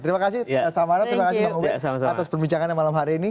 terima kasih samara terima kasih bang ubed atas perbincangannya malam hari ini